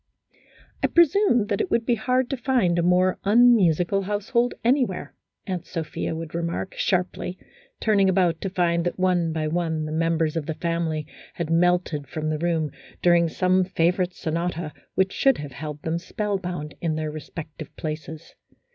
" I presume that it would be hard to find a more 12 A HYPOCRITICAL ROMANCE. unmusical household anywhere," Aunt Sophia would remark, sharply, turning about to find that one by one the members of the family had melted from the room, during some favorite sonata which should have held them spellbound in their respective places.